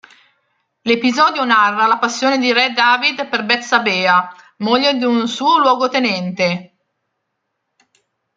L'episodio narra la passione di Re David per Betsabea, moglie di un suo luogotenente.